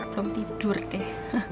belum tidur deh